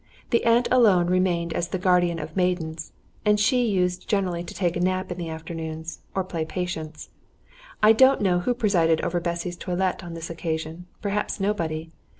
The aunt alone remained as the guardian of maidens, and she used generally to take a nap in the afternoon, or play patience. I don't know who presided over Bessy's toilet on this occasion, perhaps nobody.